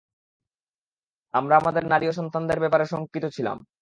আমরা আমাদের নারী ও সন্তানদের ব্যাপারে শঙ্কিত ছিলাম।